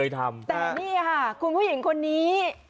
แต่นี่ค่ะคุณผู้หญิงคนนี้